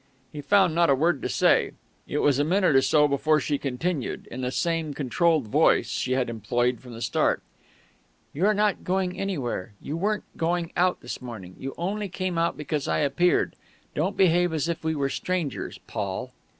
He found not a word to say. It was a minute or so before she continued, in the same controlled voice she had employed from the start. "You're not going anywhere. You weren't going out this morning. You only came out because I appeared; don't behave as if we were strangers, Paul."